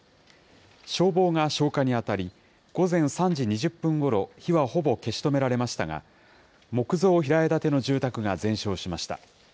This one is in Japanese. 消防が消火に当たり、午前３時２０分ごろ、火はほぼ消し止められましたが、木造平屋建ての住宅が全焼しました。